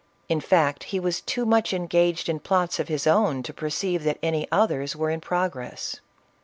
In fact he was too much engaged in plots of his own to perceive that any others were in progress.